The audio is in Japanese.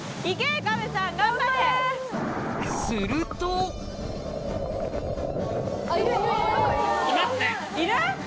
するといる？